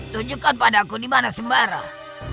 tunjukkan padaku dimana sembarang